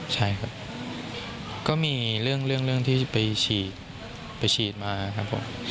ใช่ครับก็มีเรื่องที่ไปฉีดมาครับผม